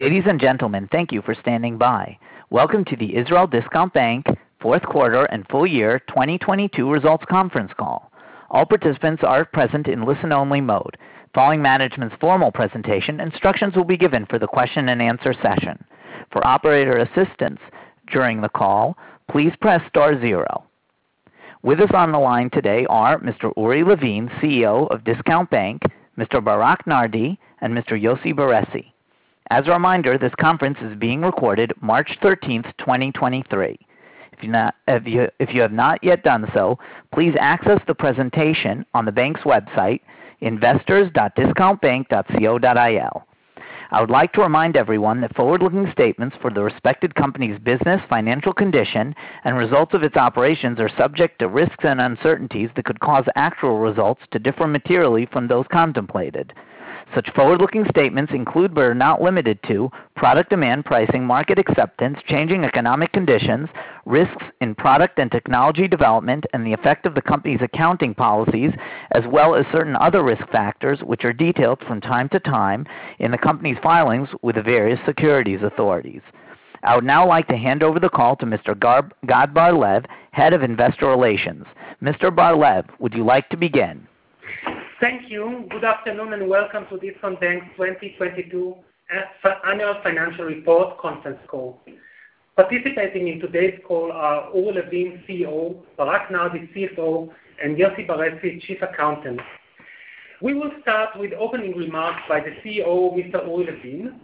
Ladies and gentlemen, thank you for standing by. Welcome to the Israel Discount Bank fourth quarter and full year 2022 results conference call. All participants are present in listen-only mode. Following management's formal presentation, instructions will be given for the question and answer session. For operator assistance during the call, please press star zero. With us on the line today are Mr. Uri Levin, CEO of Discount Bank, Mr. Barak Nardi, and Mr. Yossi Beressi. As a reminder, this conference is being recorded March 13th, 2023. If you have not yet done so, please access the presentation on the bank's website investors.discountbank.co.il. I would like to remind everyone that forward-looking statements for the respected company's business, financial condition, and results of its operations are subject to risks and uncertainties that could cause actual results to differ materially from those contemplated. Such forward-looking statements include, but are not limited to, product demand, pricing, market acceptance, changing economic conditions, risks in product and technology development, and the effect of the company's accounting policies, as well as certain other risk factors, which are detailed from time to time in the company's filings with the various securities authorities. I would now like to hand over the call to Mr. Gad Barlev, Head of Investor Relations. Mr. Barlev, would you like to begin? Thank you. Good afternoon, Welcome to Discount Bank's 2022 annual financial report conference call. Participating in today's call are Uri Levin, CEO, Barak Nardi, CFO, and Yossi Beressi, Chief Accountant. We will start with opening remarks by the CEO, Mr. Uri Levin,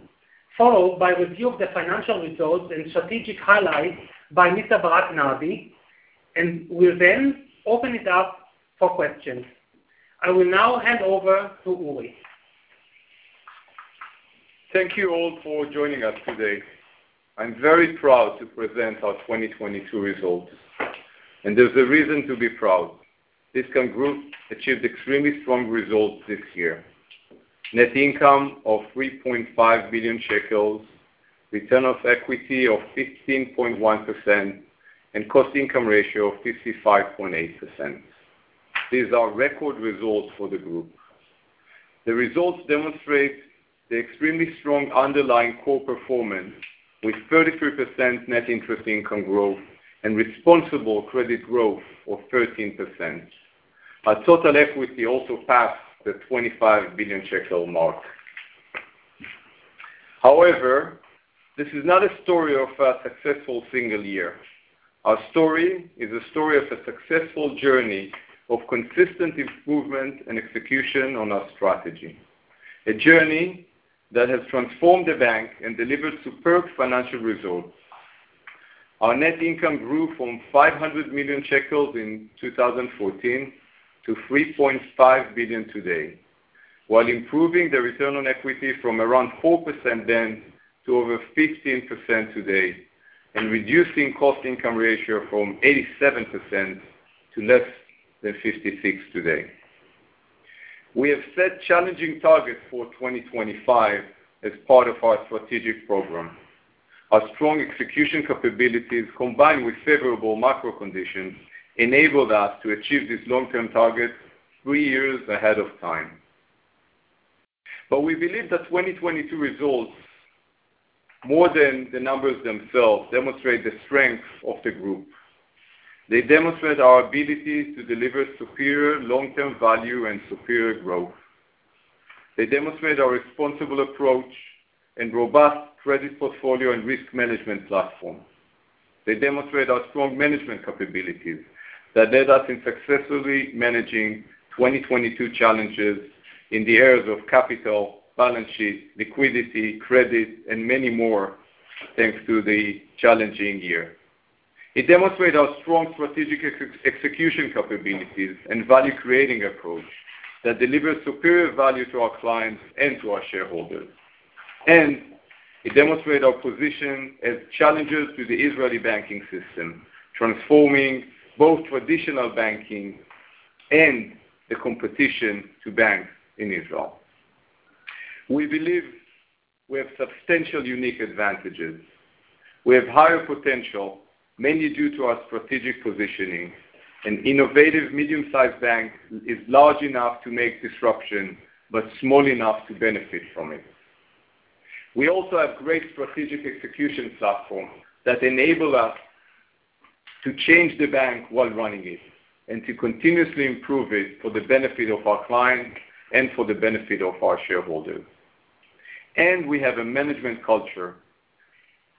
followed by review of the financial results and strategic highlights by Mr. Barak Nardi, and we'll then open it up for questions. I will now hand over to Uri. Thank you all for joining us today. I'm very proud to present our 2022 results. There's a reason to be proud. Discount Group achieved extremely strong results this year. Net income of 3.5 billion shekels, return of equity of 15.1%, and cost-income ratio of 55.8%. These are record results for the group. The results demonstrate the extremely strong underlying core performance with 33% net interest income growth and responsible credit growth of 13%. Our total equity also passed the 25 billion shekel mark. However, this is not a story of a successful single year. Our story is a story of a successful journey of consistent improvement and execution on our strategy. A journey that has transformed the bank and delivered superb financial results. Our net income grew from 500 million shekels in 2014 to 3.5 billion today, while improving the return on equity from around 4% then to over 15% today, and reducing cost-income ratio from 87% to less than 56% today. We have set challenging targets for 2025 as part of our strategic program. Our strong execution capabilities, combined with favorable macro conditions, enabled us to achieve this long-term target three years ahead of time. We believe that 2022 results, more than the numbers themselves, demonstrate the strength of the Discount Group. They demonstrate our ability to deliver superior long-term value and superior growth. They demonstrate our responsible approach and robust credit portfolio and risk management platform. They demonstrate our strong management capabilities that led us in successfully managing 2022 challenges in the areas of capital, balance sheet, liquidity, credit, and many more, thanks to the challenging year. It demonstrate our strong strategic execution capabilities and value-creating approach that delivers superior value to our clients and to our shareholders. It demonstrate our position as challengers to the Israeli banking system, transforming both traditional banking and the competition to banks in Israel. We believe we have substantial unique advantages. We have higher potential, mainly due to our strategic positioning. An innovative medium-sized bank is large enough to make disruption, but small enough to benefit from it. We also have great strategic execution platform that enable us to change the bank while running it and to continuously improve it for the benefit of our clients and for the benefit of our shareholders. We have a management culture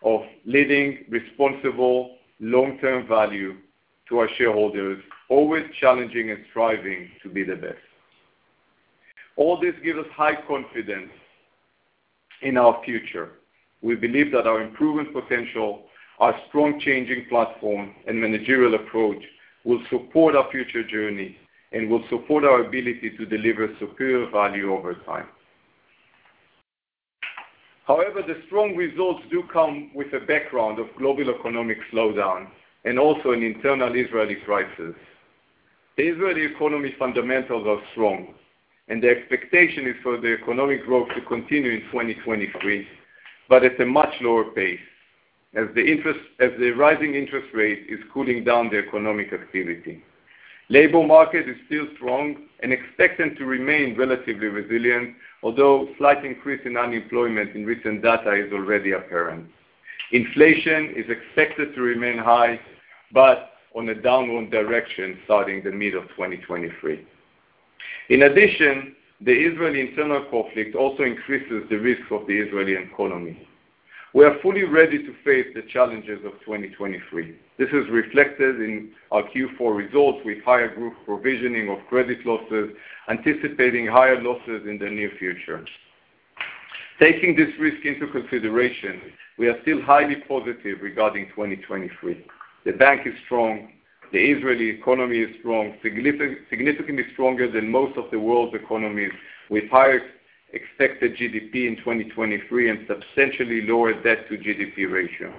of leading responsible long-term value to our shareholders, always challenging and striving to be the best. All this give us high confidence in our future. We believe that our improvement potential, our strong changing platform, and managerial approach will support our future journey and will support our ability to deliver superior value over time. However, the strong results do come with a background of global economic slowdown and also an internal Israeli crisis. The Israeli economy fundamentals are strong, and the expectation is for the economic growth to continue in 2023, but at a much lower pace. As the rising interest rate is cooling down the economic activity. Labor market is still strong and expected to remain relatively resilient, although slight increase in unemployment in recent data is already apparent. Inflation is expected to remain high, but on a downward direction starting the mid of 2023. In addition, the Israeli internal conflict also increases the risk of the Israeli economy. We are fully ready to face the challenges of 2023. This is reflected in our Q4 results with higher group provisioning of credit losses, anticipating higher losses in the near future. Taking this risk into consideration, we are still highly positive regarding 2023. The bank is strong, the Israeli economy is strong, significantly stronger than most of the world's economies, with higher expected GDP in 2023 and substantially lower debt to GDP ratio.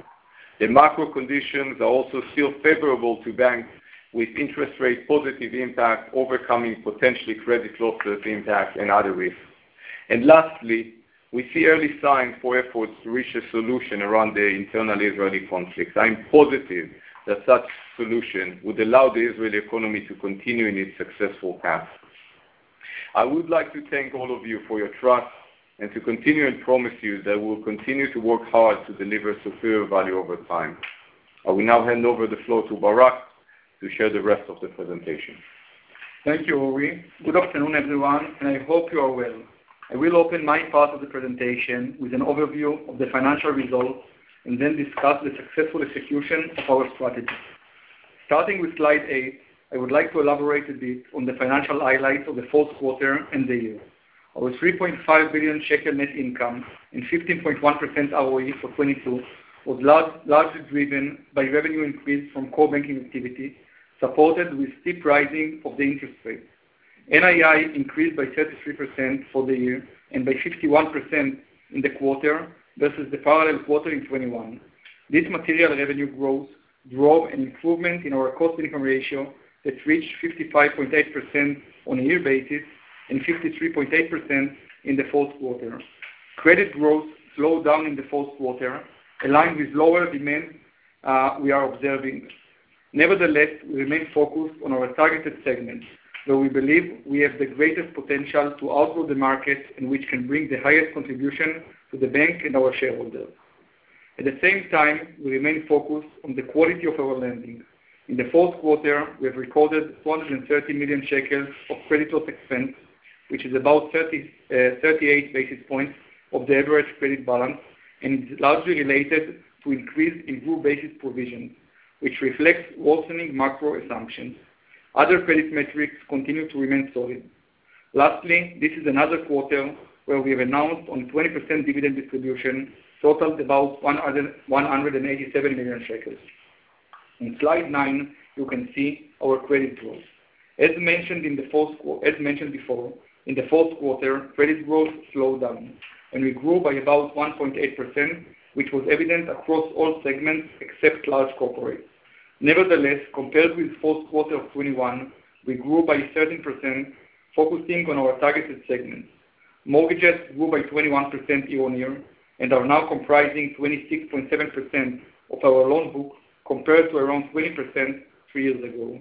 The macro conditions are also still favorable to banks, with interest rate positive impact overcoming potentially credit losses impact and other risks. Lastly, we see early signs for efforts to reach a solution around the internal Israeli conflict. I am positive that such solution would allow the Israeli economy to continue in its successful path. I would like to thank all of you for your trust and to continue and promise you that we'll continue to work hard to deliver superior value over time. I will now hand over the floor to Barak to share the rest of the presentation. Thank you, Uri. Good afternoon, everyone. I hope you are well. I will open my part of the presentation with an overview of the financial results and then discuss the successful execution of our strategy. Starting with slide eight, I would like to elaborate a bit on the financial highlights of the fourth quarter and the year. Our 3.5 billion shekel net income and 15.1% ROE for 2022 was largely driven by revenue increase from core banking activity, supported with steep rising of the interest rate. NII increased by 33% for the year and by 61% in the quarter versus the parallel quarter in 2021. This material revenue growth drove an improvement in our cost-income ratio that reached 55.8% on a year basis and 53.8% in the fourth quarter. Credit growth slowed down in the fourth quarter, aligned with lower demand we are observing. Nevertheless, we remain focused on our targeted segments, where we believe we have the greatest potential to outgrow the market and which can bring the highest contribution to the bank and our shareholders. At the same time, we remain focused on the quality of our lending. In the fourth quarter, we have recorded 430 million shekels of credit loss expense, which is about 38 basis points of the average credit balance and is largely related to increase in group-based provisions, which reflects worsening macro assumptions. Other credit metrics continue to remain solid. Lastly, this is another quarter where we have announced on 20% dividend distribution, totaled about 187 million shekels. On slide nine, you can see our credit growth. As mentioned before, in the fourth quarter, credit growth slowed down. We grew by about 1.8%, which was evident across all segments except large corporates. Nevertheless, compared with fourth quarter of 2021, we grew by 13%, focusing on our targeted segments. Mortgages grew by 21% year-on-year and are now comprising 26.7% of our loan book, compared to around 20% three years ago.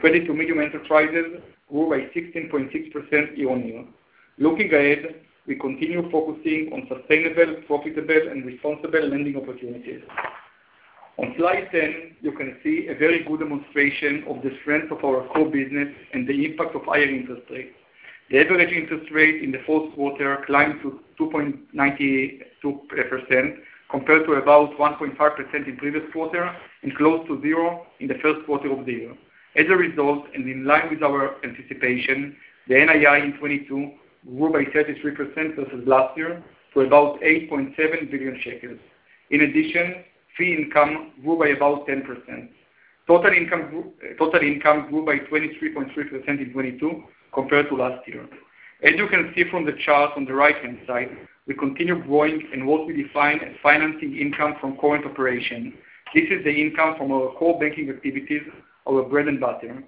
Credit to medium enterprises grew by 16.6% year-on-year. Looking ahead, we continue focusing on sustainable, profitable, and responsible lending opportunities. On slide 10, you can see a very good demonstration of the strength of our core business and the impact of higher interest rates. The average interest rate in the fourth quarter climbed to 2.92% compared to about 1.5% in previous quarter and close to zero in the first quarter of the year. As a result, and in line with our anticipation, the NII in 2022 grew by 33% versus last year to about 8.7 billion shekels. In addition, fee income grew by about 10%. Total income grew by 23.3% in 2022 compared to last year. As you can see from the chart on the right-hand side, we continue growing in what we define as financing income from current operation. This is the income from our core banking activities, our bread and butter.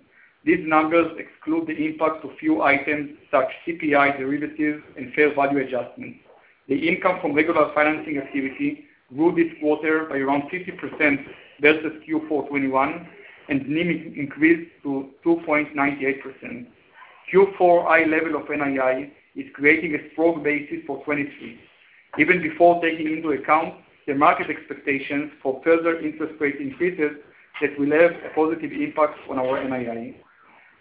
These numbers exclude the impact of few items such CPI derivatives and fair value adjustments. The income from regular financing activity grew this quarter by around 50% versus Q4 2021, and NIM increased to 2.98%. Q4 high level of NII is creating a strong basis for 2023, even before taking into account the market expectations for further interest rate increases that will have a positive impact on our NII.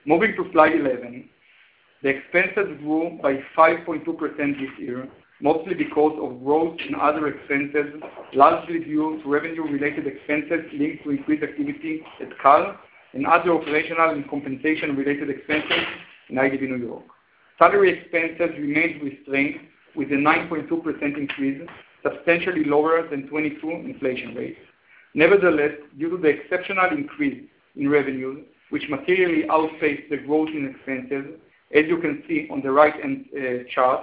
Moving to slide 11. The expenses grew by 5.2% this year, mostly because of growth in other expenses, largely due to revenue-related expenses linked to increased activity at Cal, and other operational and compensation-related expenses in IDB New York. Salary expenses remained restrained with a 9.2% increase, substantially lower than 2022 inflation rates. Due to the exceptional increase in revenues, which materially outpaced the growth in expenses, as you can see on the right-hand chart,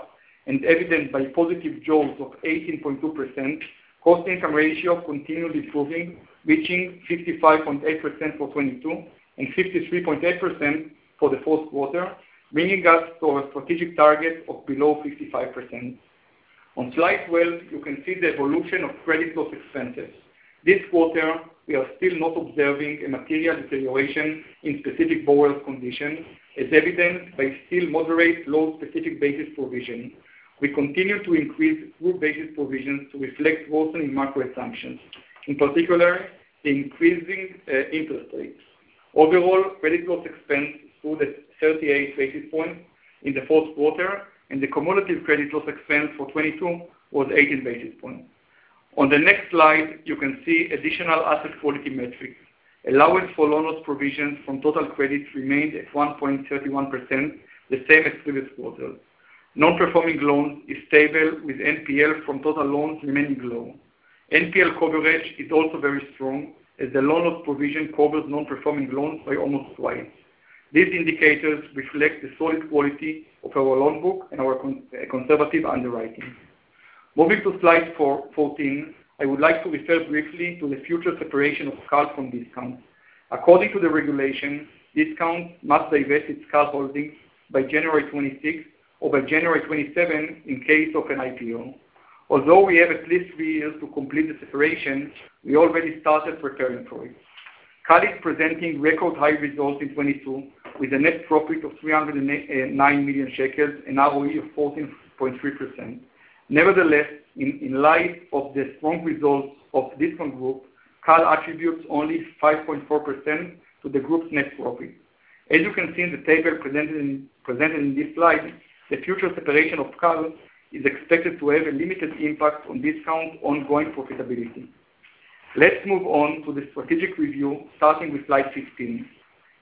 and evidenced by positive jaws of 18.2%, cost-income ratio continue improving, reaching 55.8% for 2022 and 53.8% for the fourth quarter, bringing us to our strategic target of below 55%. On slide 12, you can see the evolution of credit loss expenses. This quarter, we are still not observing a material deterioration in specific borrowers condition, as evidenced by still moderate low specific basis provision. We continue to increase full basis provisions to reflect growth in macro assumptions, in particular, the increasing interest rates. Overall, credit loss expense grew to 38 basis points in the fourth quarter, and the cumulative credit loss expense for 2022 was 18 basis points. On the next slide, you can see additional asset quality metrics. Allowance for loan loss provisions from total credits remained at 1.31%, the same as previous quarters. Non-performing loans is stable with NPL from total loans remaining low. NPL coverage is also very strong, as the loan loss provision covers non-performing loans by almost twice. These indicators reflect the solid quality of our loan book and our conservative underwriting. Moving to slide 14, I would like to refer briefly to the future separation of Cal from Discount. According to the regulation, Discount must divest its Cal holdings by January 26th or by January 27th in case of an IPO. Although we have at least three years to complete the separation, we already started preparing for it. Cal is presenting record high results in 2022, with a net profit of 309 million shekels and ROE of 14.3%. In light of the strong results of Discount Group, Cal attributes only 5.4% to the group's net profit. As you can see in the table presented in this slide, the future separation of Cal is expected to have a limited impact on Discount ongoing profitability. Let's move on to the strategic review, starting with slide 15.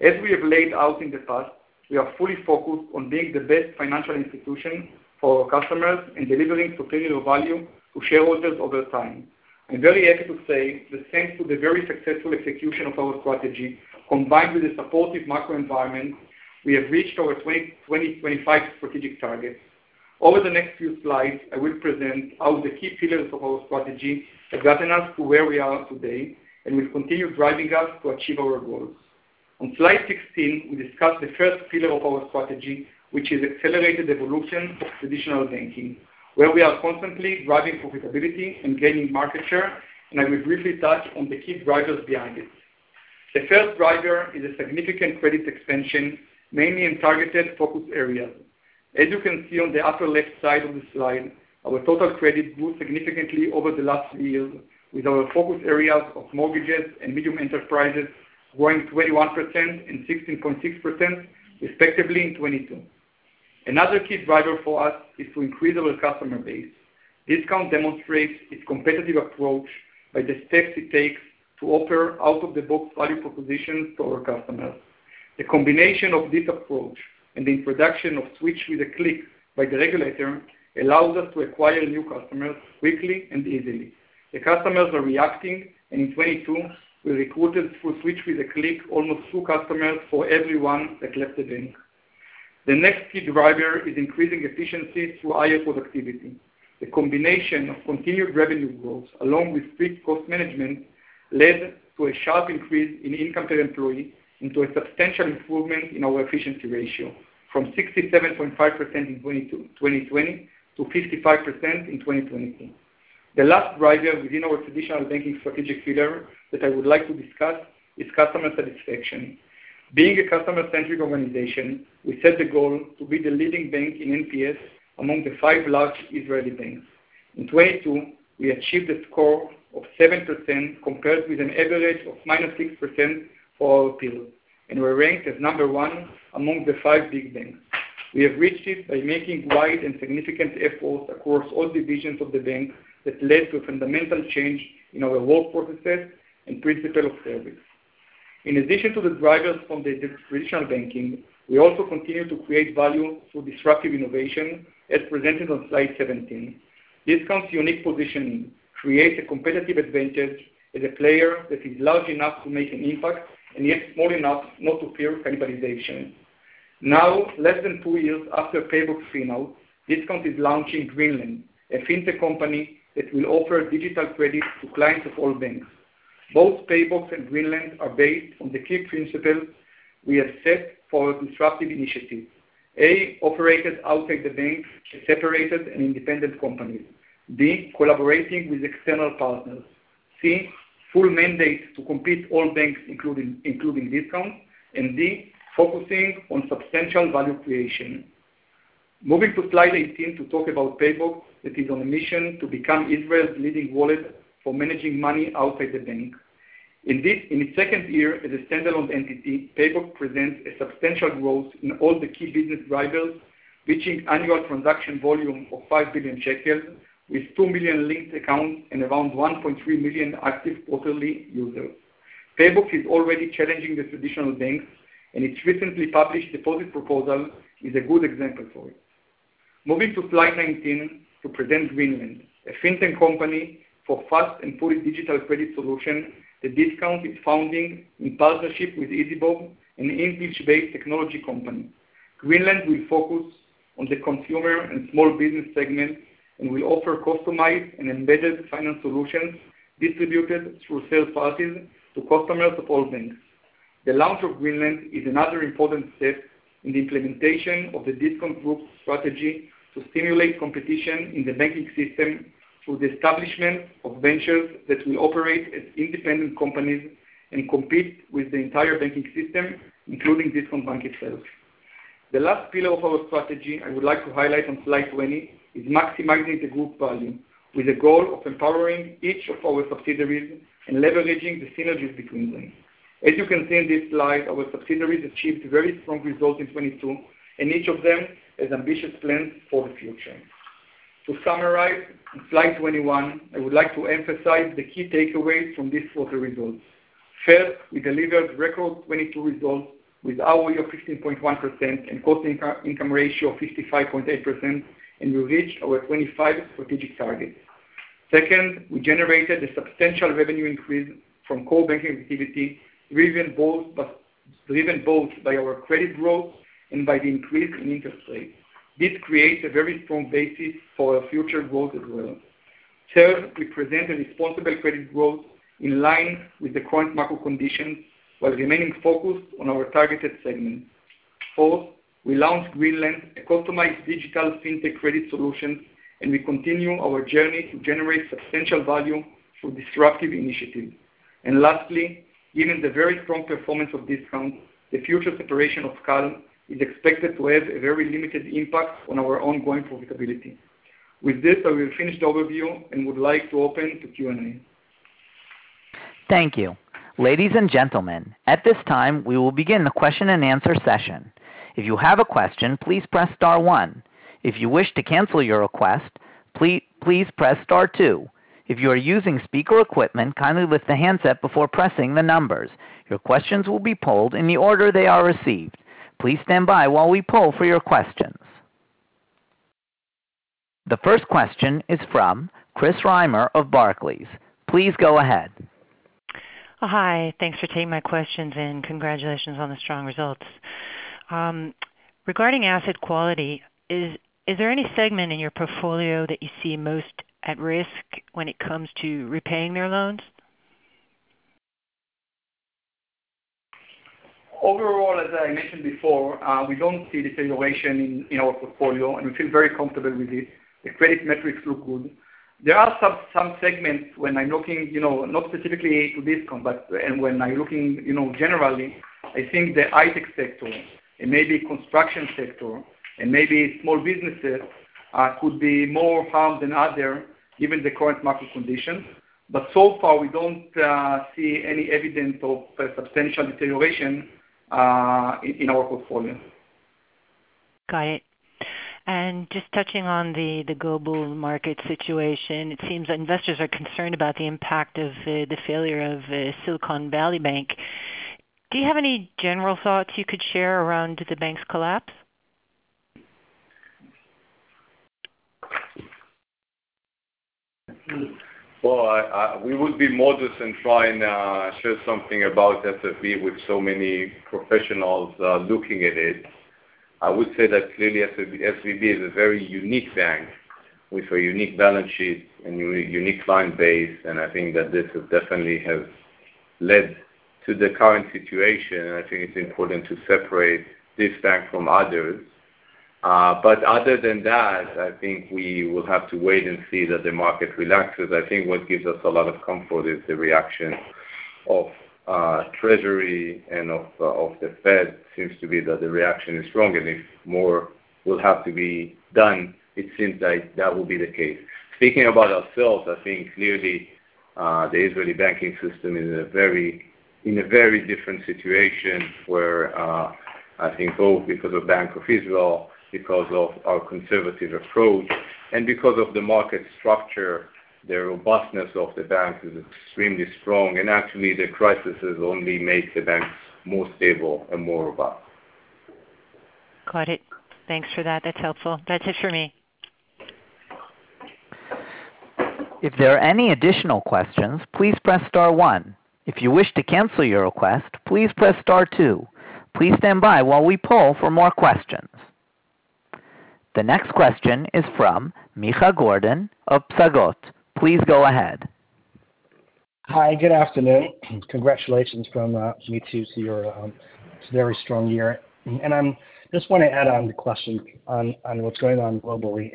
As we have laid out in the past, we are fully focused on being the best financial institution for our customers and delivering superior value to shareholders over time. I'm very happy to say that thanks to the very successful execution of our strategy, combined with a supportive macro environment, we have reached our 2020-2025 strategic targets. Over the next few slides, I will present how the key pillars of our strategy have gotten us to where we are today and will continue driving us to achieve our goals. On slide 16, we discuss the first pillar of our strategy, which is accelerated evolution of traditional banking, where we are constantly driving profitability and gaining market share. I will briefly touch on the key drivers behind it. The first driver is a significant credit expansion, mainly in targeted focus areas. As you can see on the upper left side of the slide, our total credit grew significantly over the last three years, with our focus areas of mortgages and medium enterprises growing 21% and 16.6% respectively in 2022. Another key driver for us is to increase our customer base. Discount demonstrates its competitive approach by the steps it takes to offer out-of-the-box value propositions to our customers. The combination of this approach and the introduction of Switch with a Click by the regulator allows us to acquire new customers quickly and easily. The customers are reacting, in 2022, we recruited through Switch with a Click almost two customers for every one that left the bank. The next key driver is increasing efficiency through higher productivity. The combination of continued revenue growth along with strict cost management led to a sharp increase in income per employee into a substantial improvement in our efficiency ratio from 67.5% in 2020 to 55% in 2022. The last driver within our traditional banking strategic pillar that I would like to discuss is customer satisfaction. Being a customer-centric organization, we set the goal to be the leading bank in NPS among the five large Israeli banks. In 2022, we achieved a score of 7%, compared with an average of -6% for our peers, and we're ranked as number one among the five big banks. We have reached it by making wide and significant efforts across all divisions of the bank that led to a fundamental change in our work processes and principle of service. In addition to the drivers from the traditional banking, we also continue to create value through disruptive innovation, as presented on slide 17. Discount's unique positioning creates a competitive advantage as a player that is large enough to make an impact and yet small enough not to fear cannibalization. Less than two years after PayBox came out, Discount is launching Greenlend, a fintech company that will offer digital credit to clients of all banks. Both PayBox and Greenlend are based on the key principles we have set for disruptive initiatives. A, operated outside the bank as separated and independent companies. B, collaborating with external partners. C, full mandate to compete all banks, including Discount. D, focusing on substantial value creation. Moving to slide 18 to talk about PayBox, that is on a mission to become Israel's leading wallet for managing money outside the bank. In its second year as a standalone entity, PayBox presents a substantial growth in all the key business drivers, reaching annual transaction volume of 5 billion shekels with two million linked accounts and around 1.3 million active quarterly users. PayBox is already challenging the traditional banks. Its recently published deposit proposal is a good example for it. Moving to slide 19 to present Greenlend, a fintech company for fast and fully digital credit solution that Discount is founding in partnership with ezbob, an English-based technology company. Greenlend will focus on the consumer and small business segment and will offer customized and embedded finance solutions distributed through third parties to customers of all banks. The launch of Greenlend is another important step in the implementation of the Discount Group strategy to stimulate competition in the banking system through the establishment of ventures that will operate as independent companies and compete with the entire banking system, including Discount Bank itself. The last pillar of our strategy I would like to highlight on slide 20 is maximizing the group value with the goal of empowering each of our subsidiaries and leveraging the synergies between them. As you can see in this slide, our subsidiaries achieved very strong results in 2022, and each of them has ambitious plans for the future. To summarize, on slide 21, I would like to emphasize the key takeaways from this quarter results. First, we delivered record 2022 results with ROE of 15.1% and cost-income ratio of 55.8%, and we reached our 2025 strategic targets. Second, we generated a substantial revenue increase from core banking activity, driven both by our credit growth and by the increase in interest rates. This creates a very strong basis for our future growth as well. Third, we present a responsible credit growth in line with the current macro conditions while remaining focused on our targeted segment. Fourth, we launched Greenlend, a customized digital fintech credit solution, and we continue our journey to generate substantial value through disruptive initiatives. Lastly, given the very strong performance of Discount, the future separation of Cal is expected to have a very limited impact on our ongoing profitability. With this, I will finish the overview and would like to open to Q&A. Thank you. Ladies and gentlemen, at this time, we will begin the question-and-answer session. If you have a question, please press star one. If you wish to cancel your request, please press star two. If you are using speaker equipment, kindly lift the handset before pressing the numbers. Your questions will be polled in the order they are received. Please stand by while we poll for your questions. The first question is from Chris Reimer of Barclays. Please go ahead. Hi. Thanks for taking my questions, and congratulations on the strong results. Regarding asset quality, is there any segment in your portfolio that you see most at risk when it comes to repaying their loans? Overall, as I mentioned before, we don't see deterioration in our portfolio, and we feel very comfortable with it. The credit metrics look good. There are some segments when I'm looking, you know, not specifically to Discount, and when I'm looking, you know, generally, I think the high-tech sector and maybe construction sector and maybe small businesses could be more harmed than others given the current market conditions. So far, we don't see any evidence of a substantial deterioration in our portfolio. Got it. Just touching on the global market situation, it seems that investors are concerned about the impact of the failure of Silicon Valley Bank. Do you have any general thoughts you could share around the bank's collapse? Well, we would be modest in trying to share something about SVB with so many professionals looking at it. I would say that clearly SVB is a very unique bank with a unique balance sheet and unique client base, and I think that this has definitely led to the current situation, and I think it's important to separate this bank from others. Other than that, I think we will have to wait and see that the market relaxes. I think what gives us a lot of comfort is the reaction of Treasury and of the Fed seems to be that the reaction is strong, and if more will have to be done, it seems like that will be the case. Speaking about ourselves, I think clearly, the Israeli banking system is in a very different situation where, I think both because of Bank of Israel, because of our conservative approach and because of the market structure, the robustness of the banks is extremely strong. Actually, the crisis has only made the banks more stable and more robust. Got it. Thanks for that. That's helpful. That's it for me. If there are any additional questions, please press star one. If you wish to cancel your request, please press star two. Please stand by while we poll for more questions. The next question is from Michal Gordon of Psagot. Please go ahead. Hi, good afternoon. Congratulations from me too to your very strong year. Just want to add on the question on what's going on globally.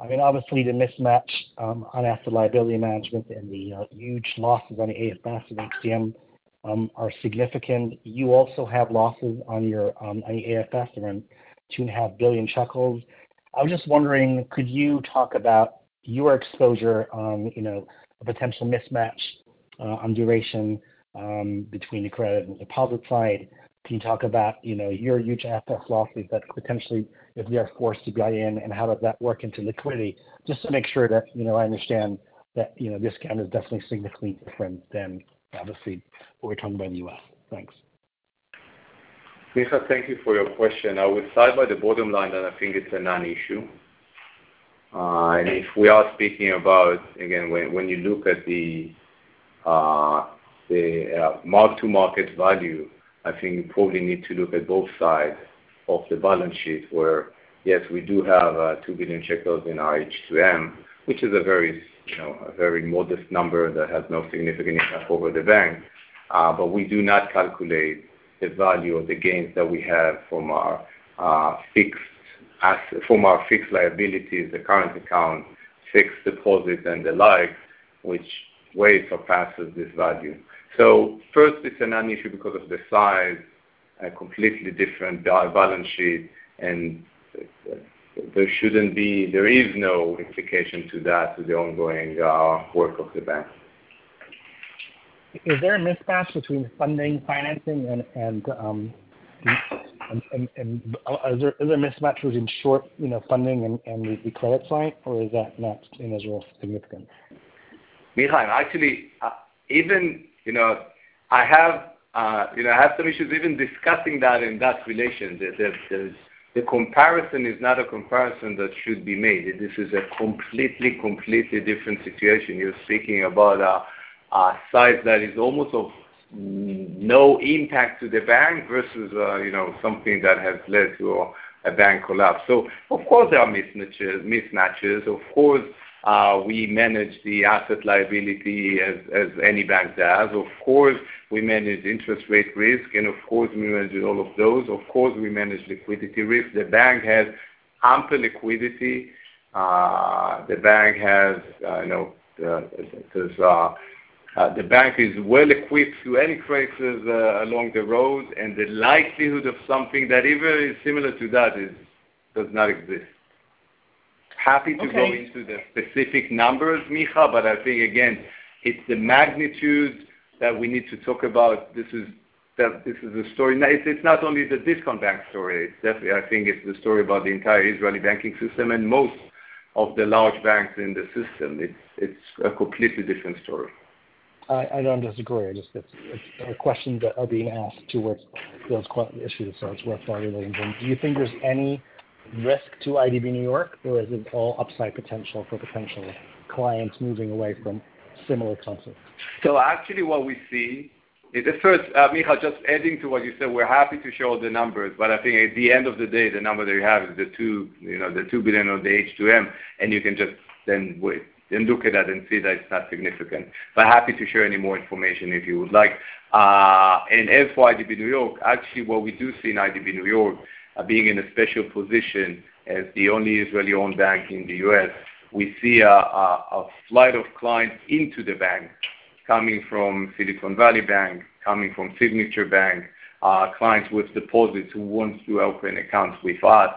I mean, obviously, the mismatch on asset liability management and the huge losses on AFS and HTM are significant. You also have losses on your AFS around 2.5 billion. I was just wondering, could you talk about your exposure on, you know, a potential mismatch on duration between the credit and deposit side? Can you talk about, you know, your huge asset losses that potentially, if we are forced to buy in and how does that work into liquidity? Just to make sure that, you know, I understand that, you know, this kind is definitely significantly different than obviously what we're talking about in the U.S. Thanks. Micha, thank you for your question. I will start by the bottom line, and I think it's a non-issue. Again, when you look at the mark-to-market value, I think you probably need to look at both sides. Of the balance sheet where, yes, we do have, 2 billion shekels in our HTM, which is a very, you know, a very modest number that has no significant impact over the bank. We do not calculate the value of the gains that we have from our fixed liabilities, the current account, fixed deposits, and the like, which way surpasses this value. First, it's a non-issue because of the size, a completely different balance sheet, and there shouldn't be. There is no implication to that, to the ongoing, work of the bank. Is there a mismatch between funding, financing and is there a mismatch between short, you know, funding and the credit side, or is that not, you know, as real significant? Michal, actually, you know, I have, you know, I have some issues even discussing that in that relation. The comparison is not a comparison that should be made. This is a completely different situation. You're speaking about a size that is almost of no impact to the bank versus, you know, something that has led to a bank collapse. Of course there are mismatches. Of course, we manage the asset liability as any bank does. Of course, we manage interest rate risk, and of course we manage all of those. Of course, we manage liquidity risk. The bank has ample liquidity. The bank has, you know, the bank is well equipped to any crisis along the road. The likelihood of something that even is similar to that is, does not exist. Happy to go into the specific numbers, Michal, but I think again, it's the magnitude that we need to talk about. This is a story. It's not only the Discount Bank story. I think it's the story about the entire Israeli banking system and most of the large banks in the system. It's a completely different story. I don't disagree. It's questions that are being asked towards those issues. It's worthwhile raising them. Do you think there's any risk to IDB New York or is it all upside potential for potential clients moving away from similar pulses? Actually what we see is. First, Michal, just adding to what you said, we're happy to show the numbers, but I think at the end of the day, the number that you have is the 2 billion of the HTM, and you can just then wait and look at that and see that it's not significant. Happy to share any more information if you would like. As for IDB New York, actually what we do see in IDB New York, being in a special position as the only Israeli-owned bank in the U.S., we see a flight of clients into the bank coming from Silicon Valley Bank, coming from Signature Bank, clients with deposits who want to open accounts with us.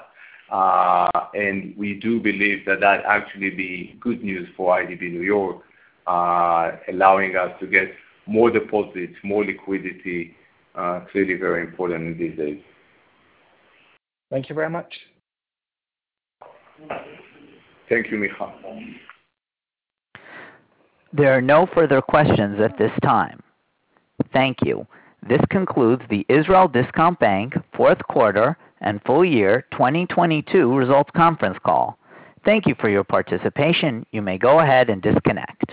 We do believe that that actually be good news for IDB New York, allowing us to get more deposits, more liquidity, clearly very important these days. Thank you very much. Thank you, Michal. There are no further questions at this time. Thank you. This concludes the Israel Discount Bank fourth quarter and full year 2022 results conference call. Thank you for your participation. You may go ahead and disconnect.